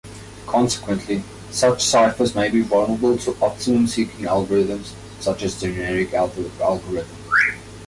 Consequently, such ciphers may be vulnerable to optimum seeking algorithms such as genetic algorithms.